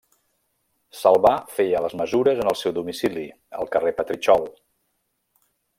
Salvà feia les mesures en el seu domicili, al carrer Petritxol.